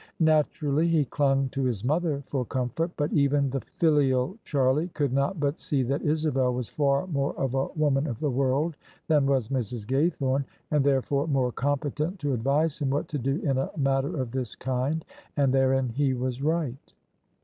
Naturally he clung to his mother for comfort : but even the filial Charlie could not but see that Isabel was far more of a woman of the world than was Mrs. Gaythorne, and therefore more competent to advise him what to do in a matter of this kind. And therein he was right.